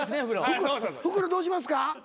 袋どうしますか？